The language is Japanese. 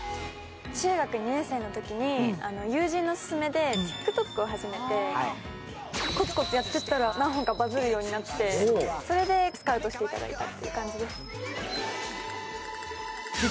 中学２年生のときに友人の勧めでＴｉｋＴｏｋを始めてこつこつやってたら何本かバズるようになってそれでスカウトしていただいたって感じです。